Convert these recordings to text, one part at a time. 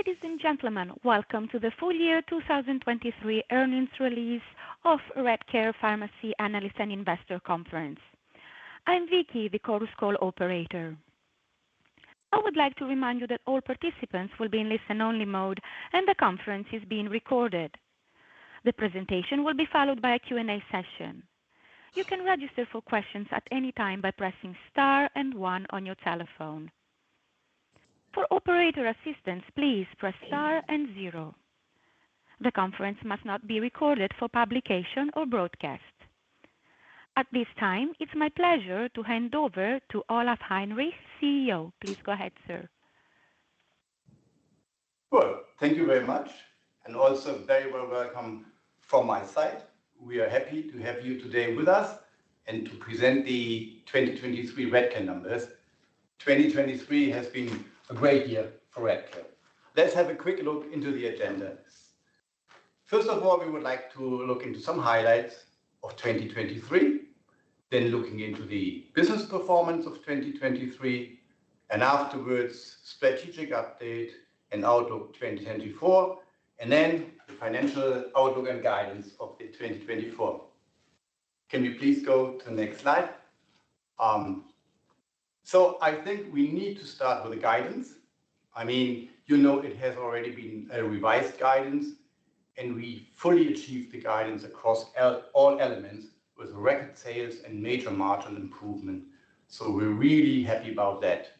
Ladies and gentlemen, welcome to the full year 2023 earnings release of Redcare Pharmacy Analyst and Investor Conference. I'm Vicky, the Chorus Call Operator. I would like to remind you that all participants will be in listen-only mode and the conference is being recorded. The presentation will be followed by a Q&A session. You can register for questions at any time by pressing star and 1 on your telephone. For operator assistance, please press star and 0. The conference must not be recorded for publication or broadcast. At this time, it's my pleasure to hand over to Olaf Heinrich, CEO. Please go ahead, sir. Well, thank you very much, and also very warm welcome from my side. We are happy to have you today with us and to present the 2023 Redcare numbers. 2023 has been a great year for Redcare. Let's have a quick look into the agenda. First of all, we would like to look into some highlights of 2023, then looking into the business performance of 2023, and afterwards strategic update and outlook 2024, and then the financial outlook and guidance of 2024. Can we please go to the next slide? So I think we need to start with the guidance. I mean, you know it has already been a revised guidance, and we fully achieved the guidance across all elements with record sales and major margin improvement. So we're really happy about that.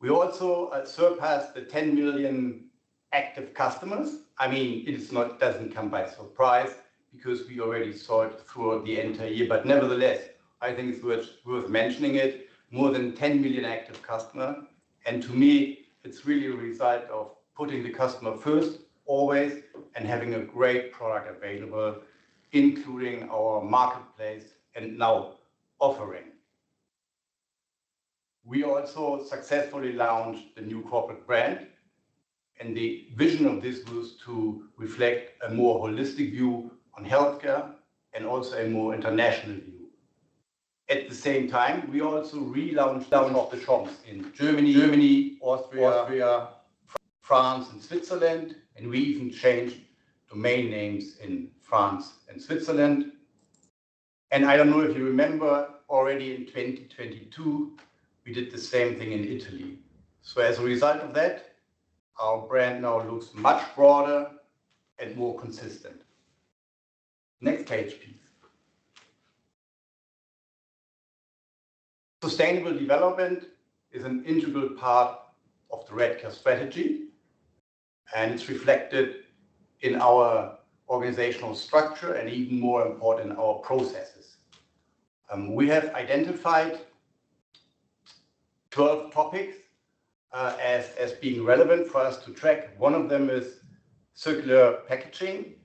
We also surpassed the 10 million active customers. I mean, it doesn't come by surprise because we already saw it throughout the entire year. But nevertheless, I think it's worth mentioning it: more than 10 million active customers. To me, it's really a result of putting the customer first, always, and having a great product available, including our marketplace and now offering. We also successfully launched the new corporate brand, and the vision of this was to reflect a more holistic view on healthcare and also a more international view. At the same time, we also relaunched some of the shops in Germany, Austria, France, and Switzerland. We even changed domain names in France and Switzerland. I don't know if you remember, already in 2022, we did the same thing in Italy. So as a result of that, our brand now looks much broader and more consistent. Next page piece. Sustainable development is an integral part of the Redcare strategy, and it's reflected in our organizational structure and, even more important, in our processes. We have identified 12 topics as being relevant for us to track. One of them is circular packaging,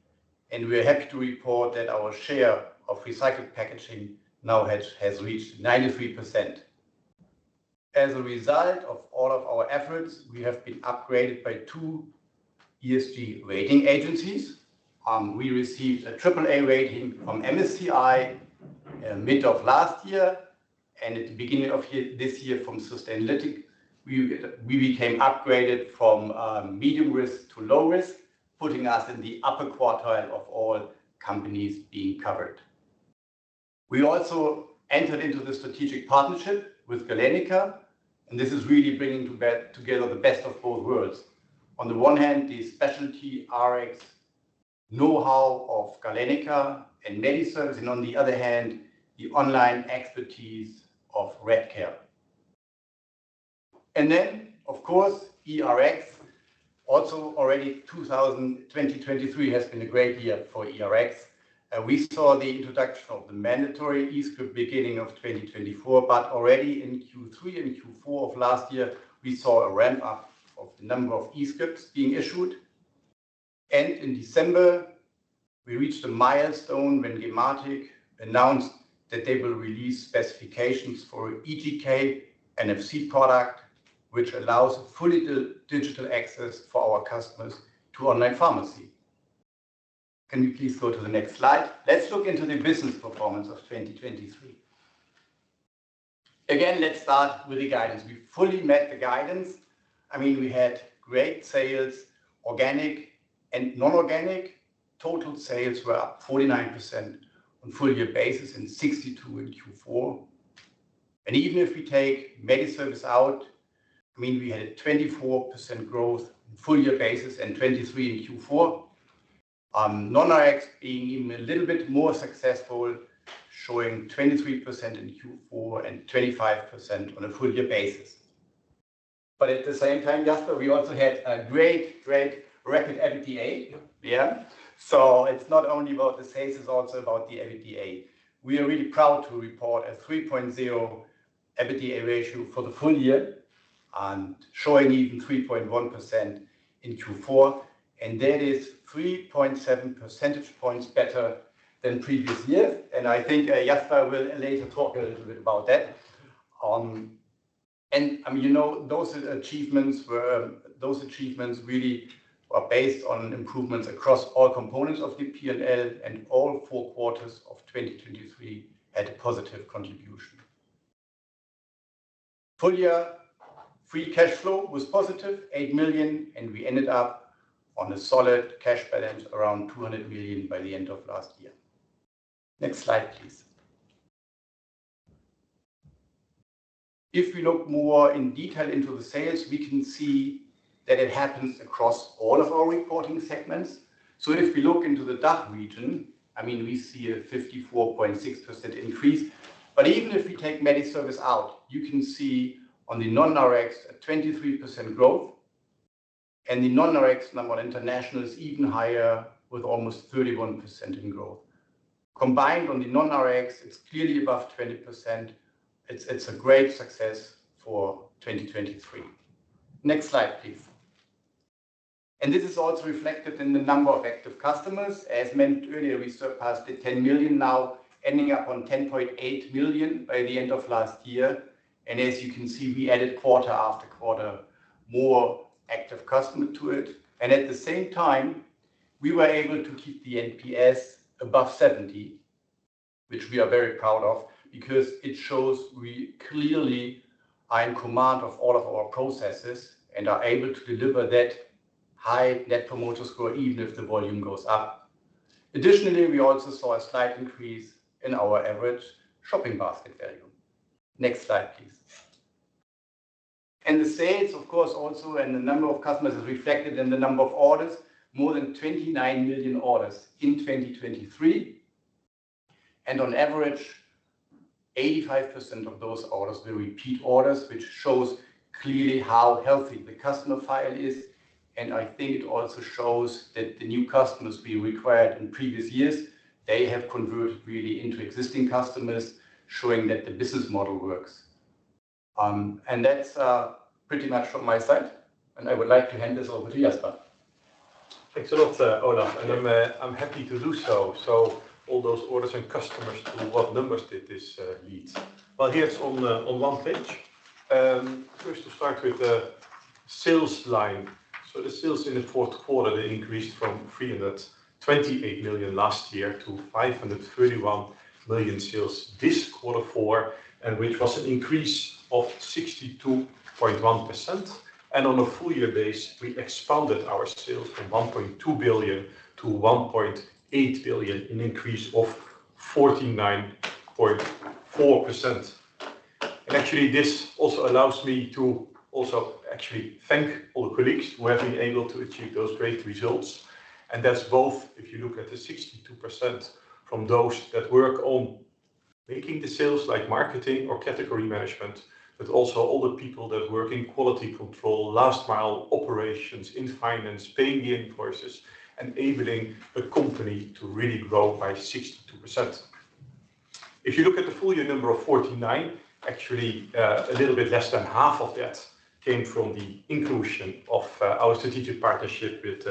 and we are happy to report that our share of recycled packaging now has reached 93%. As a result of all of our efforts, we have been upgraded by two ESG rating agencies. We received a AAA rating from MSCI mid of last year and at the beginning of this year from Sustainalytics. We became upgraded from medium risk to low risk, putting us in the upper quartile of all companies being covered. We also entered into the strategic partnership with Galenica, and this is really bringing together the best of both worlds. On the one hand, the specialty Rx know-how of Galenica and MediService, and on the other hand, the online expertise of Redcare. And then, of course, eRx. Also, already 2023 has been a great year for eRx. We saw the introduction of the mandatory eScript beginning of 2024. But already in Q3 and Q4 of last year, we saw a ramp-up of the number of eScripts being issued. And in December, we reached a milestone when gematik announced that they will release specifications for eGK NFC product, which allows fully digital access for our customers to online pharmacy. Can you please go to the next slide? Let's look into the business performance of 2023. Again, let's start with the guidance. We fully met the guidance. I mean, we had great sales. Organic and non-organic, total sales were up 49% on a full-year basis in '23 and Q4. Even if we take MediService out, I mean, we had a 24% growth on a full-year basis and 2023 and Q4, non-Rx being even a little bit more successful, showing 23% in Q4 and 25% on a full-year basis. But at the same time, Jasper, we also had a great, great record EBITDA. Yeah. So it's not only about the sales, it's also about the EBITDA. We are really proud to report a 3.0 EBITDA ratio for the full year and showing even 3.1% in Q4. And that is 3.7 percentage points better than previous years. And I think Jasper will later talk a little bit about that. And, I mean, you know, those achievements really were based on improvements across all components of the P&L, and all four quarters of 2023 had a positive contribution. Full-year free cash flow was positive 8 million, and we ended up on a solid cash balance around 200 million by the end of last year. Next slide, please. If we look more in detail into the sales, we can see that it happens across all of our reporting segments. So if we look into the DACH region, I mean, we see a 54.6% increase. But even if we take MediService out, you can see on the non-Rx a 23% growth, and the non-Rx number on international is even higher, with almost 31% in growth. Combined on the non-Rx, it's clearly above 20%. It's a great success for 2023. Next slide, please. And this is also reflected in the number of active customers. As mentioned earlier, we surpassed the 10 million, now ending up on 10.8 million by the end of last year. As you can see, we added quarter after quarter more active customers to it. At the same time, we were able to keep the NPS above 70, which we are very proud of because it shows we clearly are in command of all of our processes and are able to deliver that high net promoter score, even if the volume goes up. Additionally, we also saw a slight increase in our average shopping basket value. Next slide, please. The sales, of course, also and the number of customers is reflected in the number of orders: more than 29 million orders in 2023. On average, 85% of those orders were repeat orders, which shows clearly how healthy the customer file is. And I think it also shows that the new customers we required in previous years, they have converted really into existing customers, showing that the business model works. And that's pretty much from my side. And I would like to hand this over to Jasper. Thanks a lot, Olaf. And I'm happy to do so. So all those orders and customers, to what numbers did this lead? Well, here's on one page. First, to start with the sales line. So the sales in the Q4, they increased from 328 million last year to 531 million sales this quarter for, which was an increase of 62.1%. And on a full-year base, we expanded our sales from 1.2 billion to 1.8 billion, an increase of 49.4%. And actually, this also allows me to also actually thank all the colleagues who have been able to achieve those great results. And that's both, if you look at the 62% from those that work on making the sales, like marketing or category management, but also all the people that work in quality control, last-mile operations in finance, paying the invoices, and enabling the company to really grow by 62%. If you look at the full-year number of 49, actually, a little bit less than half of that came from the inclusion of our strategic partnership with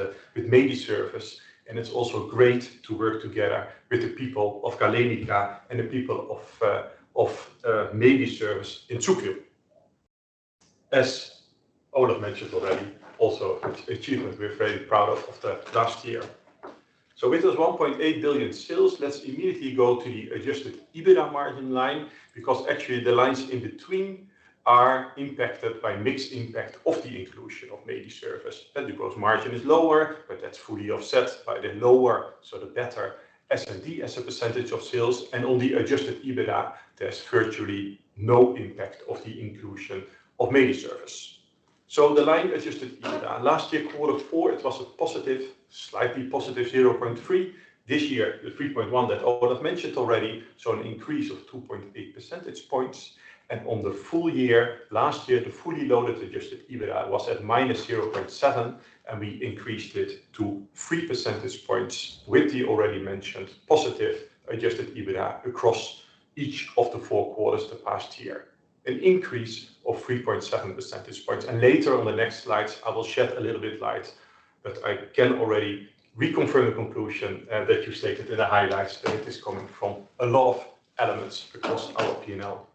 MediService. It's also great to work together with the people of Galenica and the people of MediService in total. As Olaf mentioned already, also an achievement we're very proud of the last year. With those 1.8 billion sales, let's immediately go to the Adjusted EBITDA margin line because actually, the lines in between are impacted by mixed impact of the inclusion of MediService. The gross margin is lower, but that's fully offset by the lower, so the better S&D as a percentage of sales. On the Adjusted EBITDA, there's virtually no impact of the inclusion of MediService. The line Adjusted EBITDA last year, quarter four, it was a positive, slightly positive 0.3%. This year, the 3.1 that Olaf mentioned already, so an increase of 2.8 percentage points. On the full year last year, the fully loaded Adjusted EBITDA was at -0.7, and we increased it to 3 percentage points with the already mentioned positive Adjusted EBITDA across each of the four quarters the past year, an increase of 3.7 percentage points. Later, on the next slides, I will shed a little bit of light. But I can already reconfirm the conclusion that you stated in the highlights that it is coming from a lot of elements across our P&L.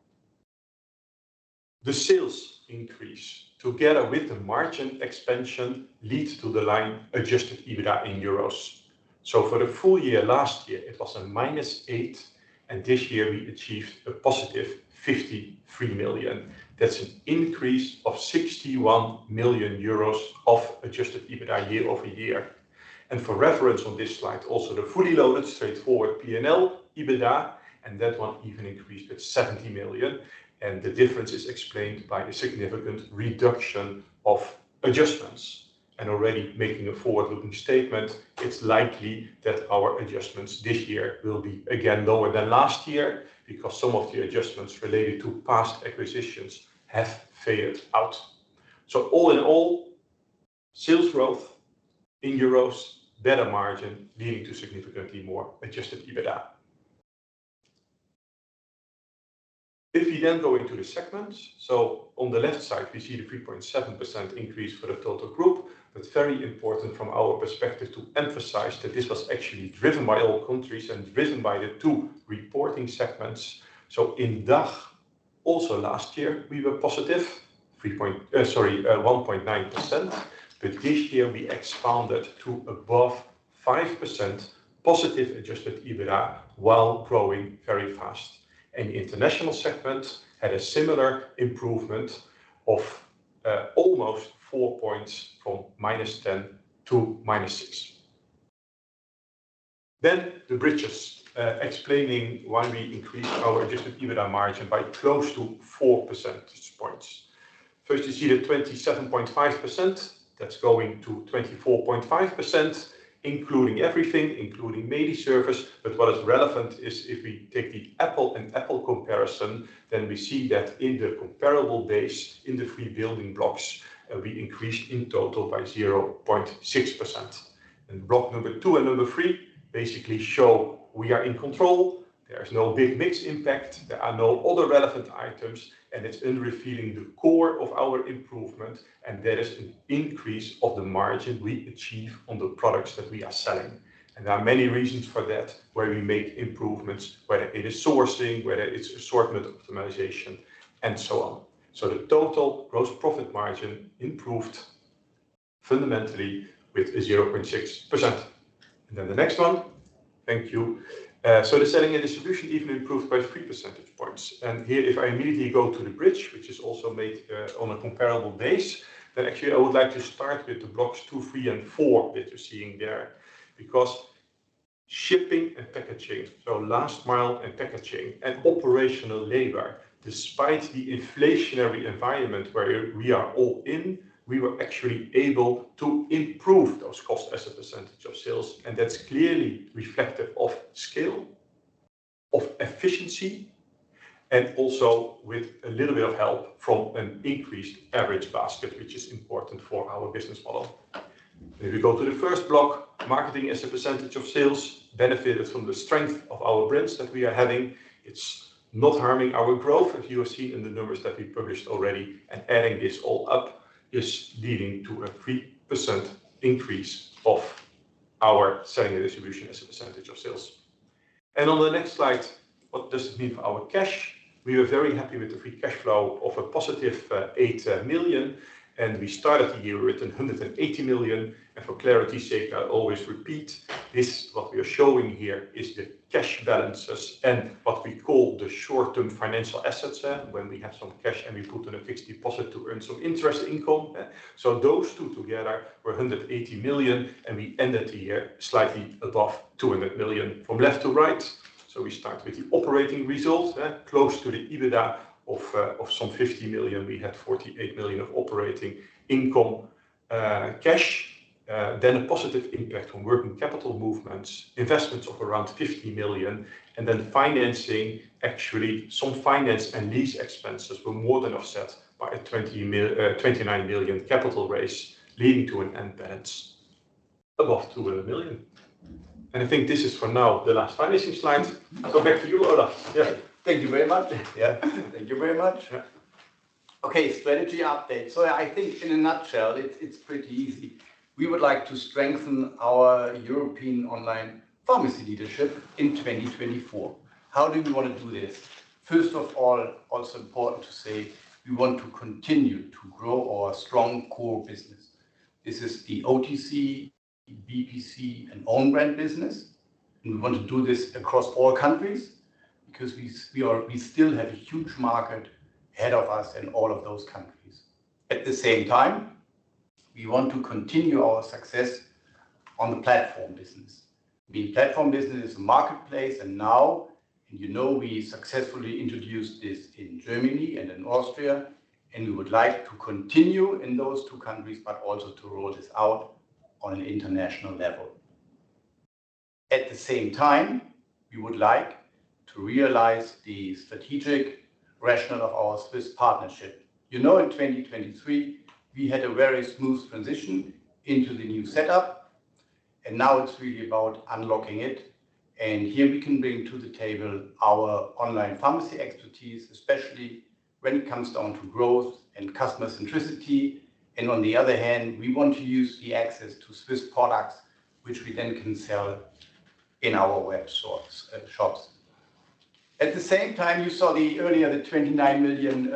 The sales increase, together with the margin expansion, lead to the line Adjusted EBITDA in euros. So for the full year last year, it was a -8 million, and this year we achieved a 53 million. That's an increase of 61 million euros of Adjusted EBITDA year-over-year. For reference on this slide, also the fully loaded, straightforward P&L EBITDA, and that one even increased at 70 million. The difference is explained by a significant reduction of adjustments. Already making a forward-looking statement, it's likely that our adjustments this year will be again lower than last year because some of the adjustments related to past acquisitions have faded out. All in all, sales growth in euros, better margin, leading to significantly more Adjusted EBITDA. If we then go into the segments, so on the left side, we see the 3.7% increase for the total group. Very important from our perspective to emphasize that this was actually driven by all countries and driven by the two reporting segments. In DACH, also last year, we were positive, sorry, 1.9%. This year, we expanded to above 5% positive Adjusted EBITDA while growing very fast. The international segment had a similar improvement of almost 4 points from -10 to -6. Then the bridge, explaining why we increased our Adjusted EBITDA margin by close to 4 percentage points. First, you see the 27.5%. That's going to 24.5%, including everything, including MediService. But what is relevant is if we take the apples-to-apples comparison, then we see that in the comparable days, in the three building blocks, we increased in total by 0.6%. And block number 2 and number 3 basically show we are in control. There is no big mix impact. There are no other relevant items. And it's under-revealing the core of our improvement. And that is an increase of the margin we achieve on the products that we are selling. There are many reasons for that, where we make improvements, whether it is sourcing, whether it's assortment optimization, and so on. So the total gross profit margin improved fundamentally with a 0.6%. And then the next one. Thank you. So the selling and distribution even improved by 3 percentage points. And here, if I immediately go to the bridge, which is also made on a comparable base, then actually, I would like to start with the blocks two, three, and four that you're seeing there because shipping and packaging, so last-mile and packaging, and operational labor, despite the inflationary environment where we are all in, we were actually able to improve those costs as a percentage of sales. And that's clearly reflective of scale, of efficiency, and also with a little bit of help from an increased average basket, which is important for our business model. If we go to the first block, marketing as a percentage of sales benefited from the strength of our brands that we are having. It's not harming our growth, as you have seen in the numbers that we published already. Adding this all up is leading to a 3% increase of our selling and distribution as a percentage of sales. On the next slide, what does it mean for our cash? We were very happy with the free cash flow of a positive 8 million. We started the year with an 180 million. For clarity's sake, I always repeat, this is what we are showing here is the cash balances and what we call the short-term financial assets when we have some cash and we put on a fixed deposit to earn some interest income. Those two together were 180 million. And we ended the year slightly above 200 million from left to right. We start with the operating results, close to the EBITDA of some 50 million. We had 48 million of operating income cash, then a positive impact on working capital movements, investments of around 50 million, and then financing. Actually, some finance and lease expenses were more than offset by a 29 million capital raise, leading to an end balance above 200 million. And I think this is, for now, the last financing slide. So back to you, Olaf. Yeah. Thank you very much. Yeah. Thank you very much. Okay, strategy update. So I think, in a nutshell, it's pretty easy. We would like to strengthen our European online pharmacy leadership in 2024. How do we want to do this? First of all, also important to say, we want to continue to grow our strong core business. This is the OTC, BPC, and own-brand business. And we want to do this across all countries because we still have a huge market ahead of us in all of those countries. At the same time, we want to continue our success on the platform business. I mean, platform business is a marketplace. And now, and you know, we successfully introduced this in Germany and in Austria. And we would like to continue in those two countries, but also to roll this out on an international level. At the same time, we would like to realize the strategic rationale of our Swiss partnership. You know, in 2023, we had a very smooth transition into the new setup. And now it's really about unlocking it. And here, we can bring to the table our online pharmacy expertise, especially when it comes down to growth and customer centricity. And on the other hand, we want to use the access to Swiss products, which we then can sell in our web shops. At the same time, you saw earlier the 29 million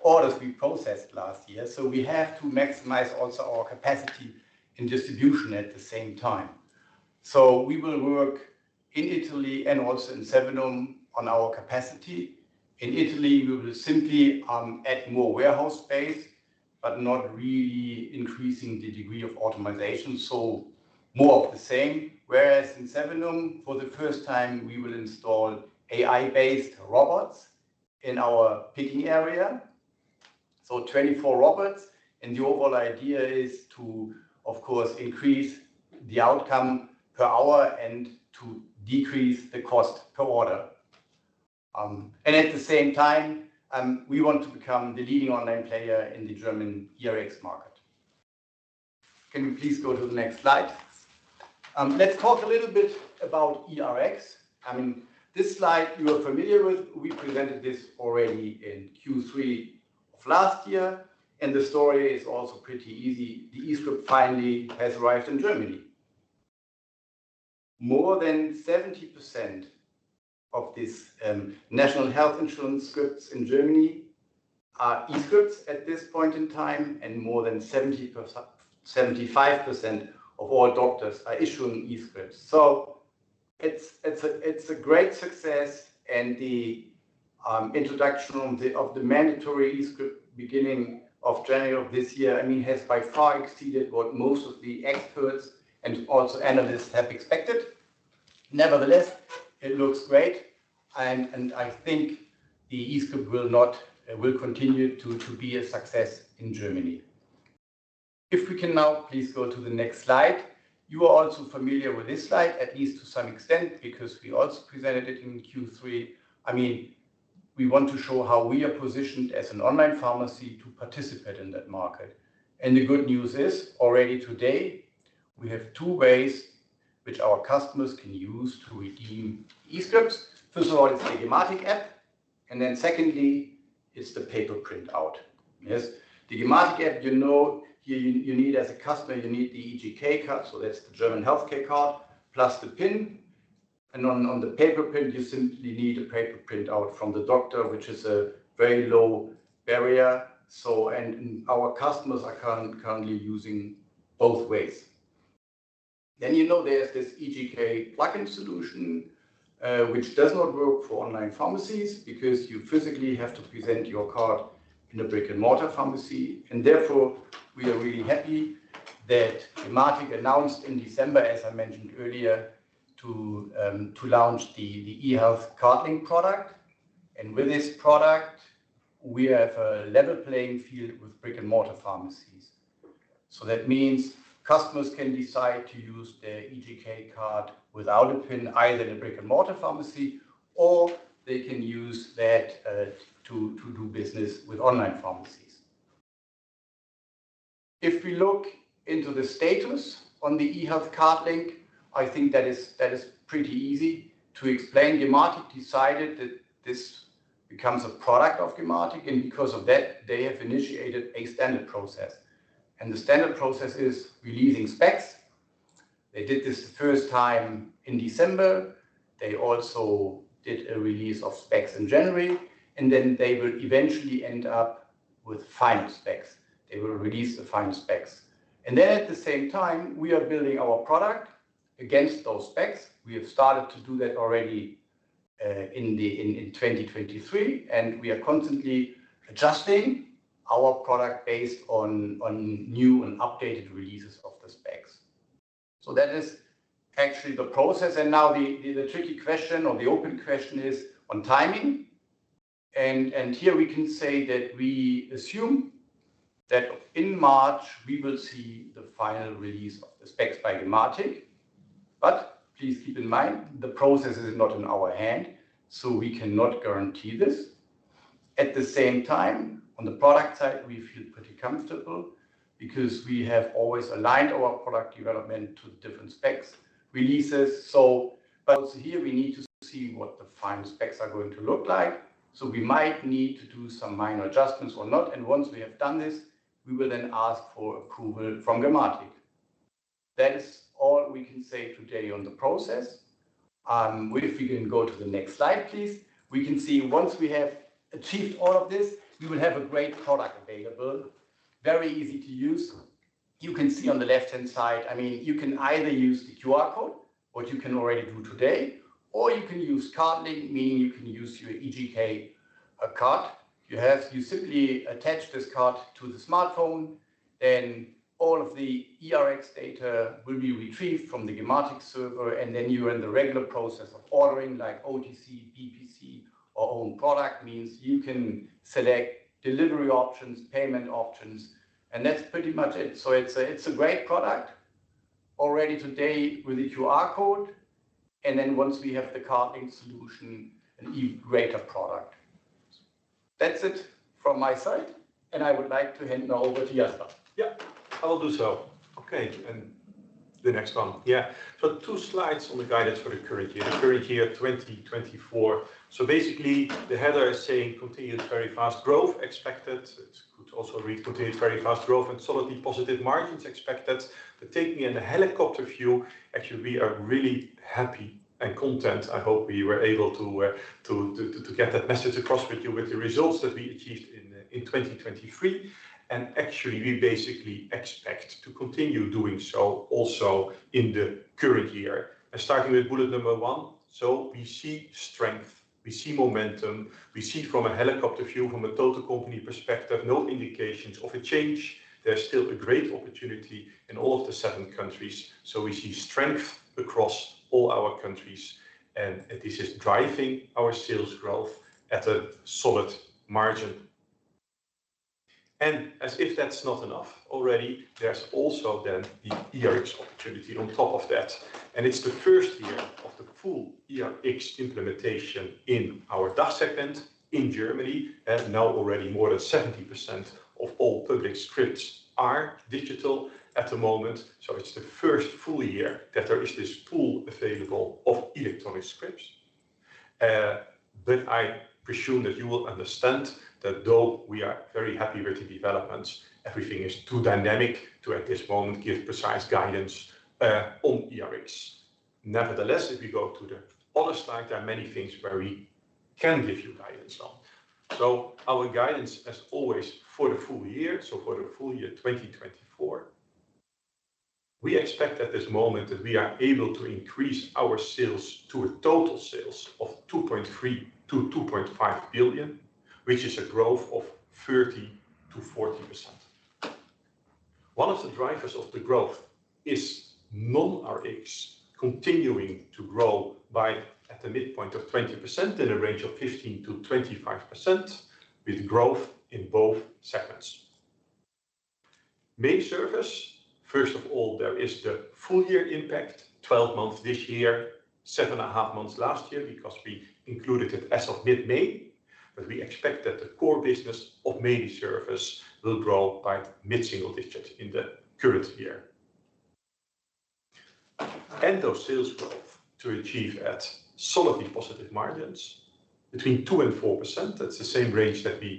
orders we processed last year. So we have to maximize also our capacity in distribution at the same time. So we will work in Italy and also in Sevenum on our capacity. In Italy, we will simply add more warehouse space, but not really increasing the degree of automation. So more of the same. Whereas in Sevenum, for the first time, we will install AI-based robots in our picking area, so 24 robots. And the overall idea is to, of course, increase the outcome per hour and to decrease the cost per order. And at the same time, we want to become the leading online player in the German eRx market. Can we please go to the next slide? Let's talk a little bit about eRx. I mean, this slide you are familiar with. We presented this already in Q3 of last year. And the story is also pretty easy. The eScript finally has arrived in Germany. More than 70% of these national health insurance scripts in Germany are eScripts at this point in time. And more than 70%, 75% of all doctors are issuing eScripts. So it's a great success. The introduction of the mandatory eScript beginning of January of this year, I mean, has by far exceeded what most of the experts and also analysts have expected. Nevertheless, it looks great. And I think the eScript will continue to be a success in Germany. If we can now please go to the next slide. You are also familiar with this slide, at least to some extent, because we also presented it in Q3. I mean, we want to show how we are positioned as an online pharmacy to participate in that market. And the good news is, already today, we have two ways which our customers can use to redeem eScripts. First of all, it's the gematik app. And then secondly, it's the paper printout. Yes, the gematik app, you know, here you need, as a customer, you need the eGK card. So that's the German health care card plus the PIN. And on the paper print, you simply need a paper printout from the doctor, which is a very low barrier. And our customers are currently using both ways. Then, you know, there's this eGK plug-in solution, which does not work for online pharmacies because you physically have to present your card in a brick-and-mortar pharmacy. And therefore, we are really happy that gematik announced in December, as I mentioned earlier, to launch the eHealth-CardLink product. And with this product, we have a level playing field with brick-and-mortar pharmacies. So that means customers can decide to use their eGK card without a PIN, either in a brick-and-mortar pharmacy, or they can use that to do business with online pharmacies. If we look into the status on the eHealth-CardLink, I think that is pretty easy to explain. gematik decided that this becomes a product of gematik. Because of that, they have initiated a standard process. The standard process is releasing specs. They did this the first time in December. They also did a release of specs in January. Then they will eventually end up with final specs. They will release the final specs. Then, at the same time, we are building our product against those specs. We have started to do that already in 2023. We are constantly adjusting our product based on new and updated releases of the specs. So that is actually the process. Now the tricky question or the open question is on timing. Here, we can say that we assume that in March, we will see the final release of the specs by gematik. But please keep in mind, the process is not in our hand. So we cannot guarantee this. At the same time, on the product side, we feel pretty comfortable because we have always aligned our product development to the different specs releases. But also here, we need to see what the final specs are going to look like. So we might need to do some minor adjustments or not. And once we have done this, we will then ask for approval from gematik. That is all we can say today on the process. If we can go to the next slide, please. We can see, once we have achieved all of this, we will have a great product available, very easy to use. You can see on the left-hand side, I mean, you can either use the QR code, what you can already do today, or you can use CardLink, meaning you can use your eGK card. You simply attach this card to the smartphone. Then all of the eRx data will be retrieved from the gematik server. And then you're in the regular process of ordering, like OTC, BPC, or own product, means you can select delivery options, payment options. And that's pretty much it. So it's a great product already today with the QR code. And then once we have the CardLink solution, an even greater product. That's it from my side. And I would like to hand now over to Jasper. Yeah, I will do so. Okay. And the next one. Yeah. So 2 slides on the guidance for the current year, the current year, 2024. So basically, the header is saying, "Continuous very fast growth expected." It could also read, "Continuous very fast growth and solidly positive margins expected." But take me in a helicopter view. Actually, we are really happy and content. I hope we were able to get that message across with you with the results that we achieved in 2023. And actually, we basically expect to continue doing so also in the current year, starting with bullet number 1. So we see strength. We see momentum. We see, from a helicopter view, from a total company perspective, no indications of a change. There's still a great opportunity in all of the 7 countries. So we see strength across all our countries. This is driving our sales growth at a solid margin. As if that's not enough already, there's also then the eRx opportunity on top of that. It's the first year of the full eRx implementation in our DACH segment in Germany. Now, already, more than 70% of all public scripts are digital at the moment. So it's the first full year that there is this pool available of electronic scripts. But I presume that you will understand that, though we are very happy with the developments, everything is too dynamic to, at this moment, give precise guidance on eRx. Nevertheless, if we go to the other slide, there are many things where we can give you guidance on. So our guidance, as always, for the full year, so for the full year, 2024, we expect, at this moment, that we are able to increase our sales to a total sales of 2.3 billion-2.5 billion, which is a growth of 30%-40%. One of the drivers of the growth is non-Rx continuing to grow at the midpoint of 20% in a range of 15%-25% with growth in both segments. MediService, first of all, there is the full-year impact, 12 months this year, 7 and a half months last year because we included it as of mid-May. But we expect that the core business of MediService will grow by mid-single digit in the current year. Those sales growth to achieve at solidly positive margins between 2%-4%, that's the same range that we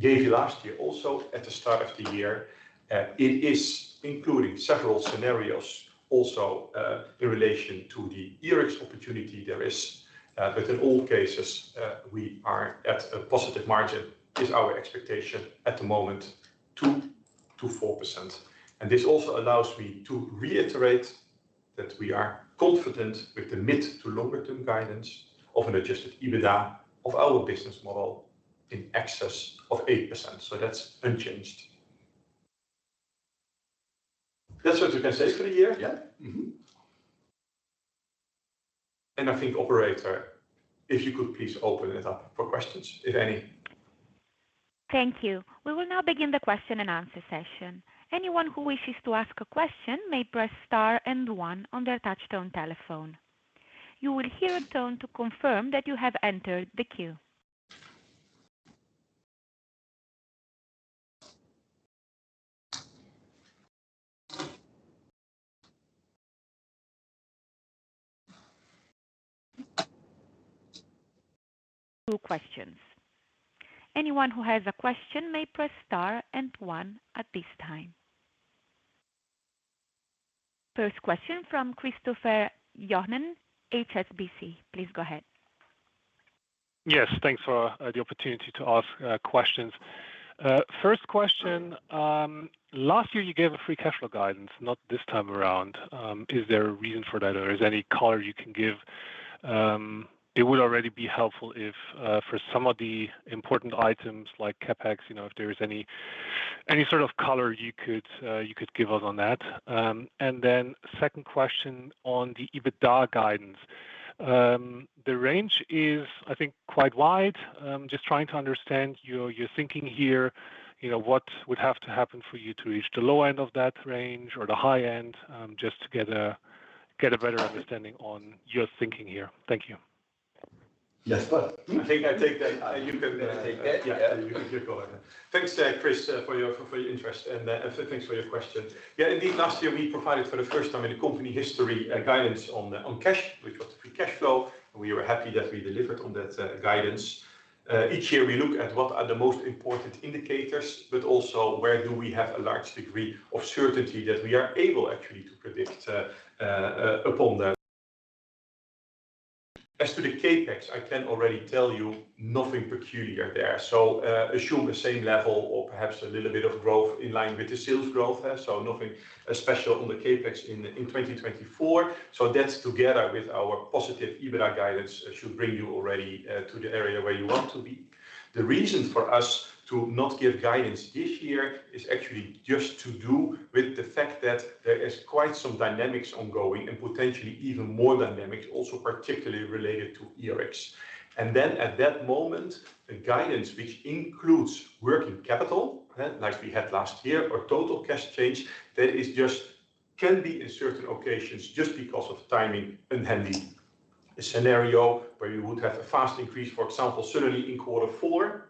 gave you last year also at the start of the year. It is including several scenarios also in relation to the eRx opportunity there is. But in all cases, we are at a positive margin, is our expectation at the moment, 2%-4%. And this also allows me to reiterate that we are confident with the mid to longer-term guidance of an Adjusted EBITDA of our business model in excess of 8%. So that's unchanged. That's what you can say for the year. Yeah. And I think, operator, if you could please open it up for questions, if any. Thank you. We will now begin the question-and-answer session. Anyone who wishes to ask a question may press star and one on their touch-tone telephone. You will hear a tone to confirm that you have entered the queue. Two questions. Anyone who has a question may press star and one at this time. First question from Christopher Johnen, HSBC. Please go ahead. Yes. Thanks for the opportunity to ask questions. First question, last year, you gave a free cash flow guidance, not this time around. Is there a reason for that, or is there any color you can give? It would already be helpful if, for some of the important items like CapEx, if there is any sort of color you could give us on that. And then second question on the EBITDA guidance. The range is, I think, quite wide. Just trying to understand your thinking here, what would have to happen for you to reach the low end of that range or the high end just to get a better understanding on your thinking here. Thank you. Yes. But I think I take that. You can take that. Yeah. You can keep going. Thanks, Chris, for your interest and thanks for your question. Yeah. Indeed, last year, we provided, for the first time in the company history, guidance on cash, which was the free cash flow. We were happy that we delivered on that guidance. Each year, we look at what are the most important indicators, but also where do we have a large degree of certainty that we are able, actually, to predict upon that. As to the CapEx, I can already tell you, nothing peculiar there. Assume the same level or perhaps a little bit of growth in line with the sales growth. Nothing special on the CapEx in 2024. That, together with our positive EBITDA guidance, should bring you already to the area where you want to be. The reason for us to not give guidance this year is actually just to do with the fact that there is quite some dynamics ongoing and potentially even more dynamics, also particularly related to eRx. And then, at that moment, the guidance, which includes working capital, like we had last year, or total cash change, that can be, in certain occasions, just because of timing, an unhandy scenario where you would have a fast increase, for example, suddenly in quarter four.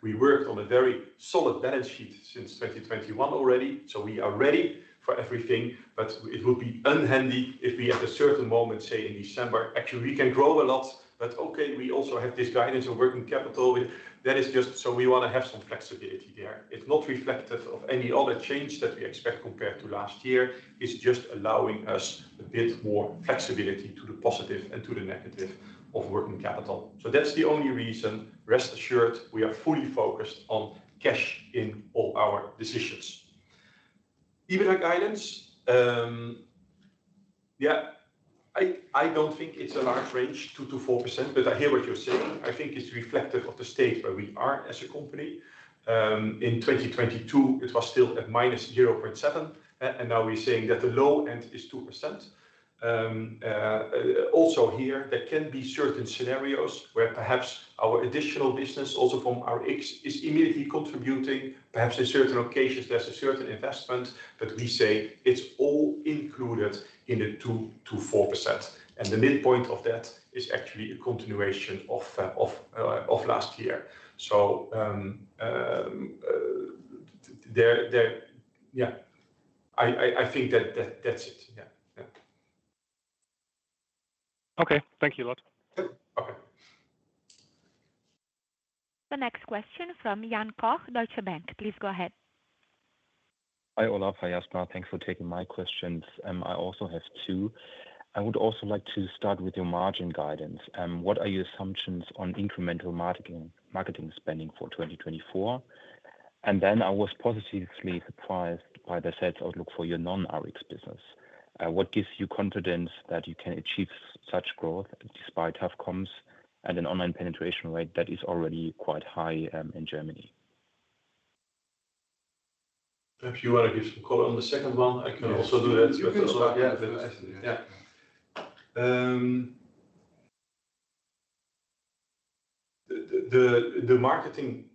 We worked on a very solid balance sheet since 2021 already. So we are ready for everything. But it would be unhandy if we, at a certain moment, say, in December, actually, we can grow a lot. But okay, we also have this guidance of working capital. That is just so we want to have some flexibility there. It's not reflective of any other change that we expect compared to last year. It's just allowing us a bit more flexibility to the positive and to the negative of working capital. So that's the only reason. Rest assured, we are fully focused on cash in all our decisions. EBITDA guidance, yeah, I don't think it's a large range, 2%-4%. But I hear what you're saying. I think it's reflective of the state where we are as a company. In 2022, it was still at -0.7%. And now we're saying that the low end is 2%. Also here, there can be certain scenarios where perhaps our additional business, also from RX, is immediately contributing. Perhaps, in certain occasions, there's a certain investment. But we say it's all included in the 2%-4%. The midpoint of that is actually a continuation of last year. Yeah, I think that's it. Yeah. Yeah. Okay. Thank you a lot. Okay. The next question from Jan Koch, Deutsche Bank. Please go ahead. Hi, Olaf. Hi, Jasper. Thanks for taking my questions. I also have two. I would also like to start with your margin guidance. What are your assumptions on incremental marketing spending for 2024? And then I was positively surprised by the sales outlook for your non-Rx business. What gives you confidence that you can achieve such growth despite tough comms and an online penetration rate that is already quite high in Germany? If you want to give some call on the second one, I can also do that. Yeah. Yeah. The marketing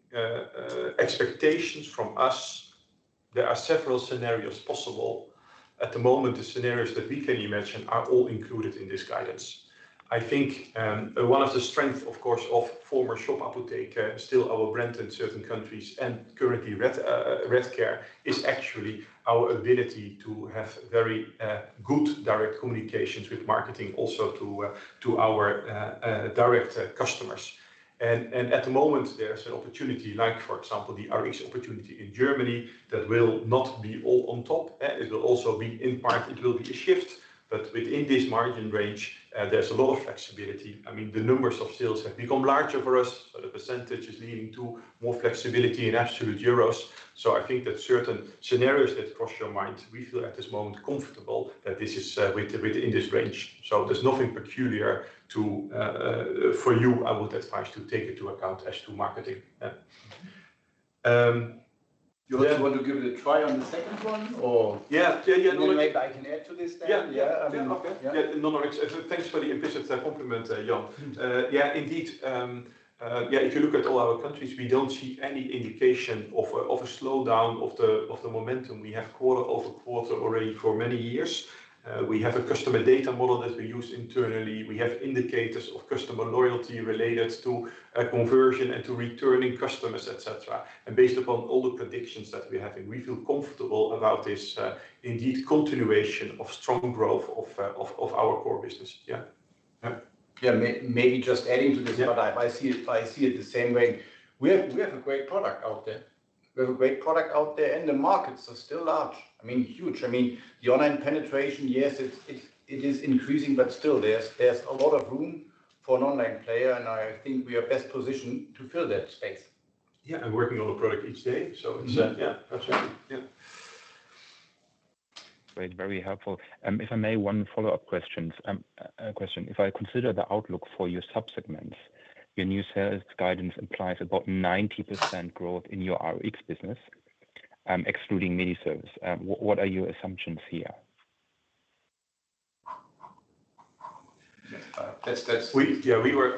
expectations from us, there are several scenarios possible. At the moment, the scenarios that we can imagine are all included in this guidance. I think one of the strengths, of course, of former Shop Apotheke Adhoc, still our brand in certain countries, and currently Redcare is actually our ability to have very good direct communications with marketing, also to our direct customers. And at the moment, there's an opportunity, like, for example, the Rx opportunity in Germany that will not be all on top. It will also be in part it will be a shift. But within this margin range, there's a lot of flexibility. I mean, the numbers of sales have become larger for us. So the percentage is leading to more flexibility in absolute euros. So I think that certain scenarios that cross your mind, we feel, at this moment, comfortable that this is within this range. So there's nothing peculiar for you. I would advise to take it to account as to marketing. You also want to give it a try on the second one, or? Yeah. Yeah. Yeah. Maybe I can add to this then. Yeah. Yeah. Yeah. No, no. Thanks for the implicit compliment, Jan. Yeah. Indeed. Yeah. If you look at all our countries, we don't see any indication of a slowdown of the momentum. We have quarter-over-quarter already for many years. We have a customer data model that we use internally. We have indicators of customer loyalty related to conversion and to returning customers, etc. And based upon all the predictions that we're having, we feel comfortable about this, indeed, continuation of strong growth of our core business. Yeah. Yeah. Yeah. Maybe just adding to this, but I see it the same way. We have a great product out there. We have a great product out there. And the markets are still large. I mean, huge. I mean, the online penetration, yes, it is increasing. But still, there's a lot of room for an online player. And I think we are best positioned to fill that space. Yeah. I'm working on the product each day. So yeah, absolutely. Yeah. Great. Very helpful. If I may, one follow-up question. If I consider the outlook for your subsegments, your new sales guidance implies about 90% growth in your Rx business, excluding MediService. What are your assumptions here? Yeah. Yeah.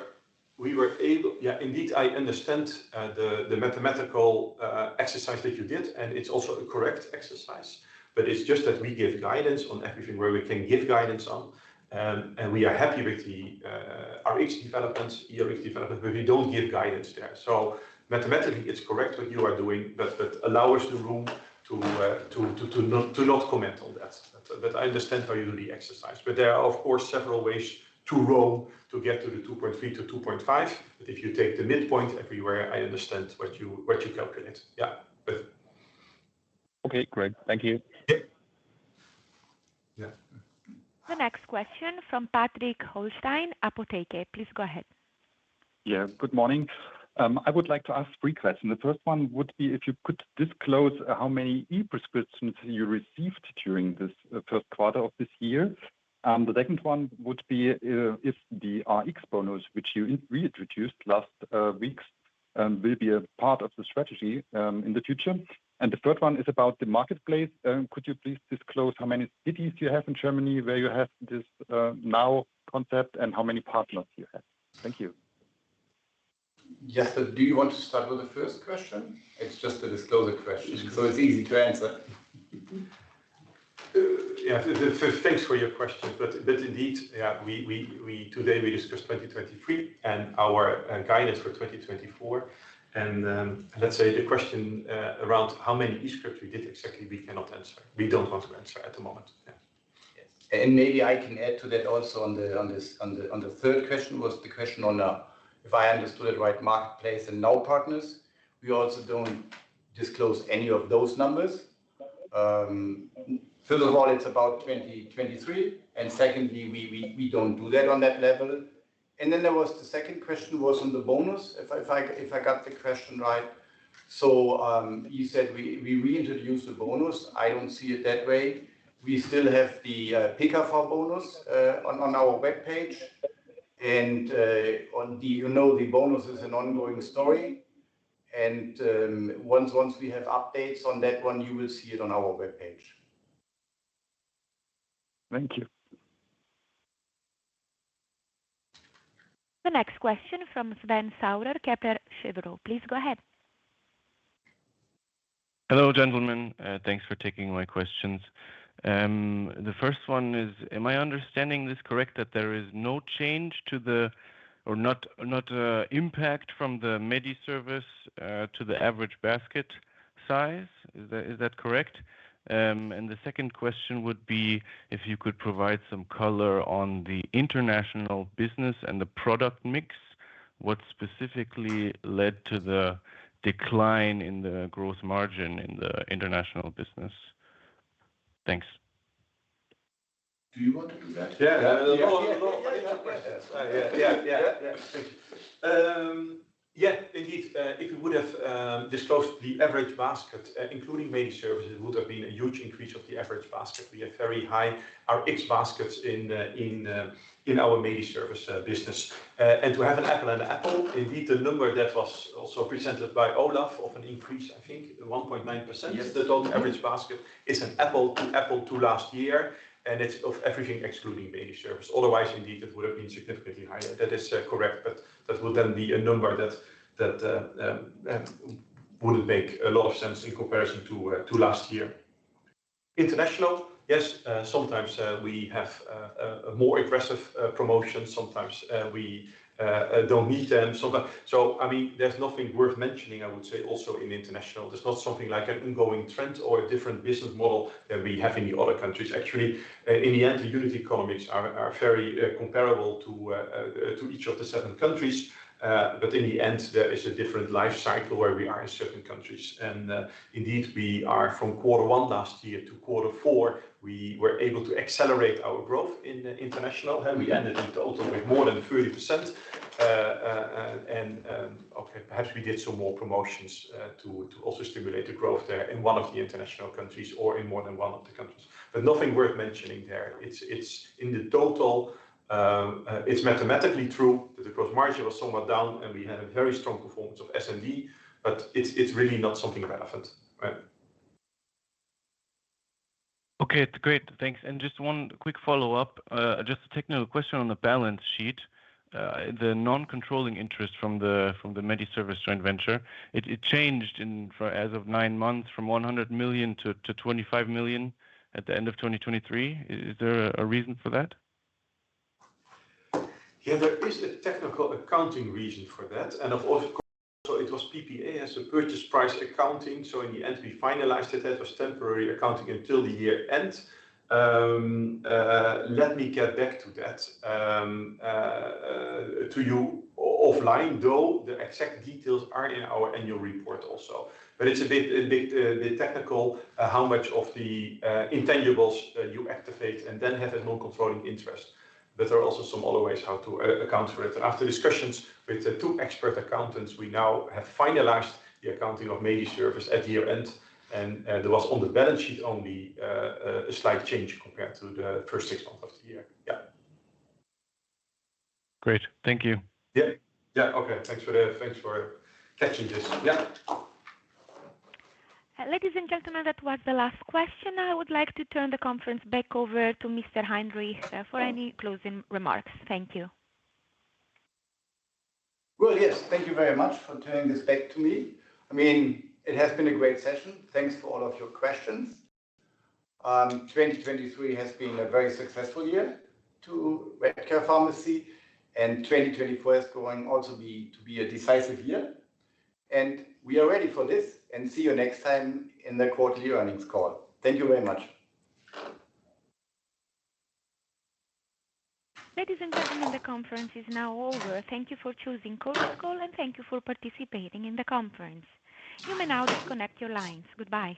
We were able, yeah. Indeed, I understand the mathematical exercise that you did. And it's also a correct exercise. But it's just that we give guidance on everything where we can give guidance on. And we are happy with the Rx developments, eRx developments, but we don't give guidance there. So mathematically, it's correct what you are doing but allows the room to not comment on that. But I understand how you do the exercise. But there are, of course, several ways to room to get to the 2.3-2.5. But if you take the midpoint everywhere, I understand what you calculate. Yeah. Okay. Great. Thank you. The next question from Patrick Hollstein, Apotheke. Please go ahead. Yeah. Good morning. I would like to ask three questions. The first one would be if you could disclose how many e-prescriptions you received during this Q1 of this year. The second one would be if the Rx bonus, which you reintroduced last weeks, will be a part of the strategy in the future. And the third one is about the marketplace. Could you please disclose how many cities you have in Germany where you have this new concept and how many partners you have? Thank you. Jasper, do you want to start with the first question? It's just a disclosure question. So it's easy to answer. Yeah. Thanks for your question. But indeed, yeah, today, we discussed 2023 and our guidance for 2024. And let's say the question around how many e-scripts we did exactly, we cannot answer. We don't want to answer at the moment. Yeah. Yes. And maybe I can add to that also on the third question was the question on, if I understood it right, marketplace and no partners. We also don't disclose any of those numbers. First of all, it's about 2023. And secondly, we don't do that on that level. And then the second question was on the bonus, if I got the question right. So you said we reintroduced the bonus. I don't see it that way. We still have the pickup for bonus on our web page. You know the bonus is an ongoing story. Once we have updates on that one, you will see it on our web page. Thank you. The next question from Sven Sauer, Kepler Cheuvreux. Please go ahead. Hello, gentlemen. Thanks for taking my questions. The first one is, am I understanding this correct, that there is no change to the or not impact from the MediService to the average basket size? Is that correct? And the second question would be if you could provide some color on the international business and the product mix, what specifically led to the decline in the gross margin in the international business? Thanks. Do you want to do that? Yeah. No, no. I need the questions. Yeah. Indeed, if we would have disclosed the average basket, including MediService, it would have been a huge increase of the average basket. We have very high RX baskets in our MediService business. And to have an apple and an apple, indeed, the number that was also presented by Olaf of an increase, I think, 1.9%, the total average basket is an apple to apple to last year. And it's of everything excluding MediService. Otherwise, indeed, it would have been significantly higher. That is correct. But that would then be a number that wouldn't make a lot of sense in comparison to last year. International, yes. Sometimes we have more aggressive promotions. Sometimes we don't need them. So I mean, there's nothing worth mentioning, I would say, also in international. There's not something like an ongoing trend or a different business model that we have in the other countries. Actually, in the end, the unit economics are very comparable to each of the seven countries. But in the end, there is a different life cycle where we are in certain countries. Indeed, from quarter one last year to quarter four, we were able to accelerate our growth in international. We ended in total with more than 30%. Okay, perhaps we did some more promotions to also stimulate the growth there in one of the international countries or in more than one of the countries. Nothing worth mentioning there. In the total, it's mathematically true that the gross margin was somewhat down, and we had a very strong performance of S&D. It's really not something relevant. Right? Okay. Great. Thanks. And just one quick follow-up, just a technical question on the balance sheet. The non-controlling interest from the MediService joint venture, it changed as of nine months from 100 million to 25 million at the end of 2023. Is there a reason for that? Yeah. There is a technical accounting reason for that. Of course, it was PPA as a purchase price accounting. In the end, we finalized it. That was temporary accounting until the year end. Let me get back to that to you offline, though. The exact details are in our annual report also. But it's a bit technical how much of the intangibles you activate and then have as non-controlling interest. There are also some other ways how to account for it. After discussions with two expert accountants, we now have finalized the accounting of MediService at year end. There was on the balance sheet only a slight change compared to the first six months of the year. Yeah. Great. Thank you. Yeah. Yeah. Okay. Thanks for catching this. Yeah. Ladies and gentlemen, that was the last question. I would like to turn the conference back over to Mr. Heinrich for any closing remarks. Thank you. Well, yes. Thank you very much for turning this back to me. I mean, it has been a great session. Thanks for all of your questions. 2023 has been a very successful year to Redcare Pharmacy. 2024 is going also to be a decisive year. We are ready for this. See you next time in the quarterly earnings call. Thank you very much. Ladies and gentlemen, the conference is now over. Thank you for choosing Chorus Call. Thank you for participating in the conference. You may now disconnect your lines. Goodbye.